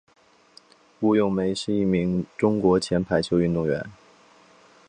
吴咏梅是一名中国前排球运动员。